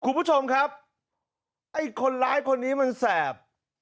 คุณผู้ชมครับไอ้คนร้ายคนนี้มันแสบ